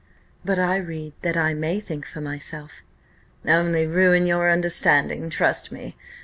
"But I read that I may think for myself." "Only ruin your understanding, trust me.